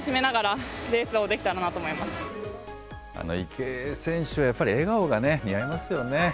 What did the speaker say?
池江選手はやっぱり笑顔がね、似合いますよね。